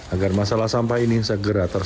agar masalah sampah ini segera terjadi